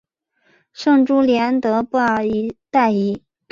圣朱利安德布尔代伊。